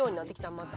また。